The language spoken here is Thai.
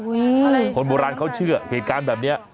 คนโบราณเขาเชื่อเหตุการณ์แบบนี้